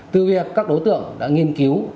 từ việc các đối tượng đã nghiên cứu